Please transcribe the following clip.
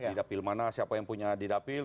di dapil mana siapa yang punya di dapil